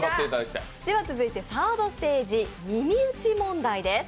では続いてサードステージ、耳打ち問題です。